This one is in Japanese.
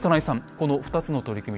この２つの取り組み